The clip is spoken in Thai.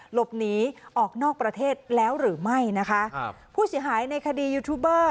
หลบหนีออกนอกประเทศแล้วหรือไม่นะคะครับผู้เสียหายในคดียูทูบเบอร์